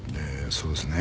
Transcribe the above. そうですね」